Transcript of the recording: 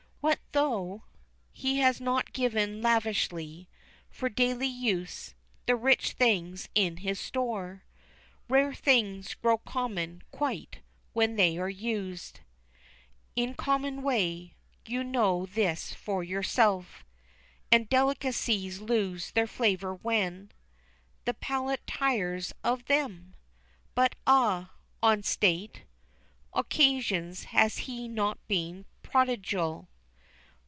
What though He has not given lavishly, For daily use, the rich things in his store? Rare things grow common, quite, when they are used In common way you know this for yourself And delicacies lose their flavor when The palate tires of them. But ah, on state Occasions has he not been prodigal?